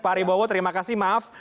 pak ari bawowo terima kasih maaf